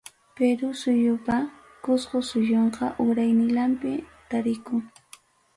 Perú suyupa, Cusco suyunqa urayninlanpi tarikun.